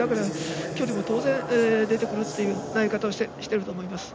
距離も当然出てくるという投げ方をしていると思います。